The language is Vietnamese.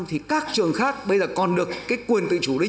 thì các trường khác bây giờ còn được cái quyền tự chủ đấy